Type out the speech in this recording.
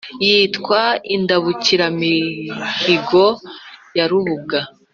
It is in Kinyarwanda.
yitwa indabukiramihigo ya rubuga